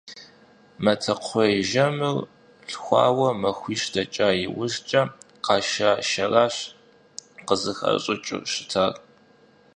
Матэкхъуейр жэмыр лъхуэуэ махуищ дэкӀа иужькӀэ къаша шэращ къызыхащӀыкӀыу щытар.